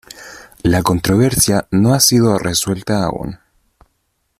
La controversia no ha sido resuelta aún.